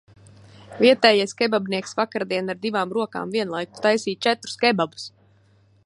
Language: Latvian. Vietējais kebabnieks vakardien ar divām rokām vienlaikus taisīja četrus kebabus.